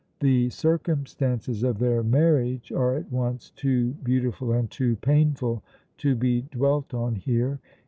The circumstances of their marriage are at once too beautiful and too painful to be dwelt on here.